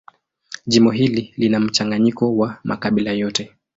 Jimbo hili lina mchanganyiko wa makabila yote.